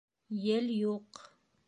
Ел юҡ.